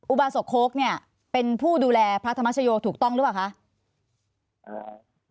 อุบาสกโค้กเนี่ยเป็นผู้ดูแลพระธรรมชโยถูกต้องหรือเปล่าคะ